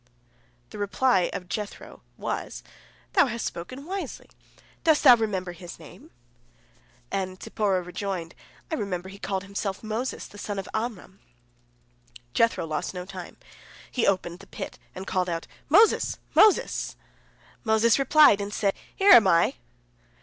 The reply of Jethro was: "Thou hast spoken wisely. Dost thou remember his name?" And Zipporah rejoined, "I remember he called himself Moses the son of Amram." Jethro lost no time, he opened the pit, and called out, "Moses! Moses!" Moses replied, and said: "Here am I!"